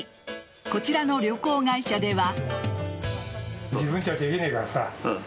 こちらの旅行会社では。